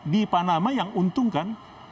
di panama yang untung kan